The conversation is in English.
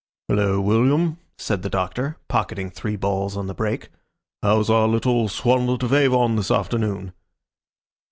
"Hullo, William," said the Doctor, pocketing three balls on the break. "How's our little Swanlet of Avon this afternoon?"